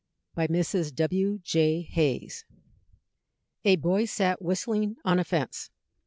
BY MRS. W. J. HAYS. A boy sat whistling on a fence.